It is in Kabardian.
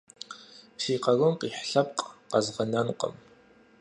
Си къарум къихь лъэпкъ къэзгъэнэнкъым!